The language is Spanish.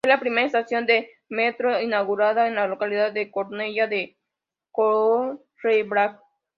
Fue la primera estación de metro inaugurada en la localidad de Cornellá de Llobregat.